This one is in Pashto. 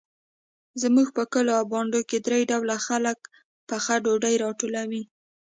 زموږ په کلیو او بانډو کې درې ډوله خلک پخه ډوډۍ راټولوي.